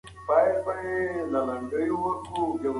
د نجونو لپاره د خوندي تعلیمي چاپیریال برابرول د دولت دنده ده.